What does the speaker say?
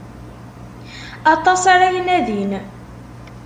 Aṭas ara inadin.